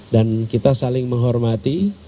dan kita saling menghormati